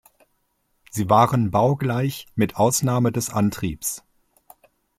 Sie waren baugleich mit Ausnahme des Antriebs.